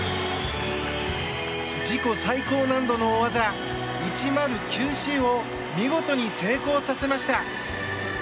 自己最高難度の大技１０９Ｃを見事に成功させました。